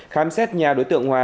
khám xét nhà đối tượng hòa